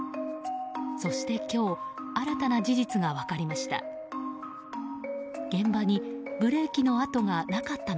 そして今日、新たな事実が分かりました。